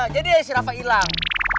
jadi aja si rafa hilang